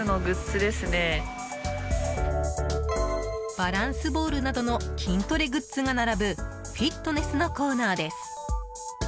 バランスボールなどの筋トレグッズが並ぶフィットネスのコーナーです。